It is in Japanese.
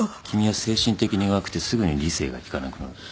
君は精神的に弱くてすぐに理性が利かなくなる。